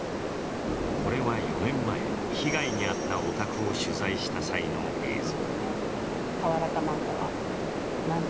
これは４年前、被害に遭ったお宅を取材した際の映像。